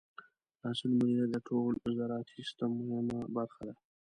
د حاصل مدیریت د ټول زراعتي سیستم مهمه برخه ده.